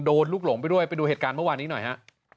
ลูกหลงไปด้วยไปดูเหตุการณ์เมื่อวานนี้หน่อยฮะ